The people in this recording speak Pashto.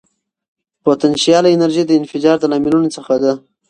پوتنشیاله انرژي د انفجار د لاملونو څخه ده.